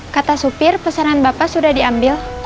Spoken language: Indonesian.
kata supir pesanan bapak sudah diambil